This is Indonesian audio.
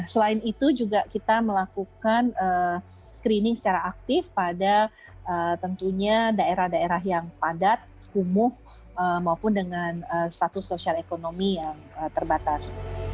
selain itu juga kita melakukan screening secara aktif pada tentunya daerah daerah yang padat kumuh maupun dengan status sosial ekonomi yang terbatas